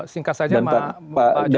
singkat saja pak yudhanyadi